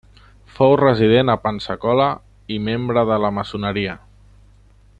Fou resident a Pensacola i membre de la Maçoneria.